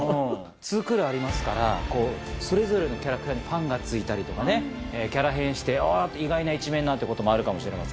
２クールありますからそれぞれのキャラクターにファンがついたりとかねキャラ変して意外な一面なんてこともあるかもしれません。